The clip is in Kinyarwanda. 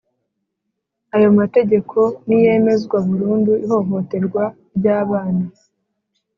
ayo mategeko niyemezwa burundu ihohoterwa ry’abana